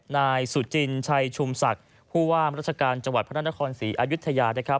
นายสุจินชัยชุมศักดิ์ผู้ว่ามราชการจังหวัดพระนครศรีอายุทยานะครับ